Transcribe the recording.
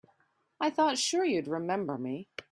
I thought sure you'd remember me.